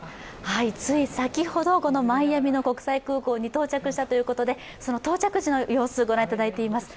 つい先ほど、マイアミの国際空港に到着したということでその到着時の様子、ご覧いただいています。